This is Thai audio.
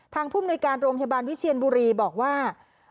ผู้มนุยการโรงพยาบาลวิเชียนบุรีบอกว่า